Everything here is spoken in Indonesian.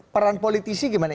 peran politisi gimana